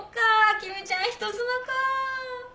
君ちゃん人妻か。